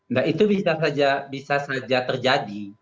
nah itu bisa saja terjadi